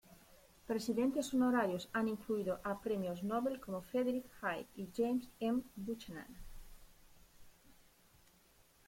Presidentes honorarios han incluido a premios Nóbel como Friedrich Hayek y James M. Buchanan.